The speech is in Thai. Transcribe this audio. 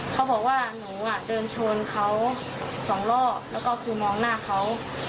เขาบอกว่าหนูเดินชนเขาสองรอบแล้วก็คือมองหน้าเขา